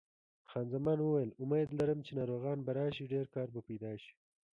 خان زمان وویل: امید لرم چې ناروغان به راشي، ډېر کار به پیدا شي.